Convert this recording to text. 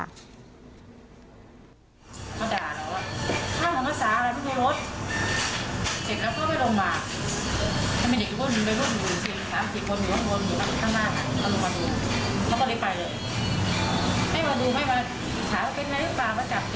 ลงมาดูให้มาถามว่าเป็นอะไรหรือเปล่ามาจับใหญ่ขึ้นดีเอ้ยแปลงมากมั้ย